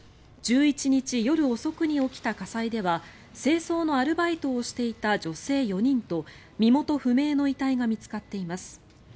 １１日夜遅くに起きた火災では清掃のアルバイトをしていた女性４人と身元不明の遺体が見つかっています。